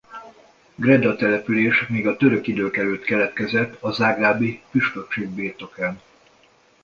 Greda település még a török idők előtt keletkezett a zágrábi püspökség birtokán.